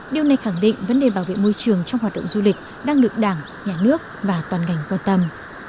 điều này khẳng định vấn đề bảo vệ môi trường trong hoạt động du lịch đang được đảng nhà nước và toàn ngành quan tâm